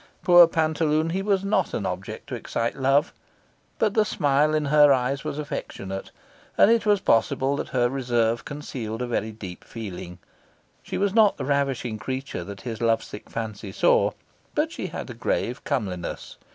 Poor pantaloon, he was not an object to excite love, but the smile in her eyes was affectionate, and it was possible that her reserve concealed a very deep feeling. She was not the ravishing creature that his love sick fancy saw, but she had a grave comeliness.